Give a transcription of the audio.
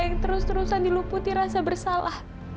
yang terus terusan diluputi rasa bersalah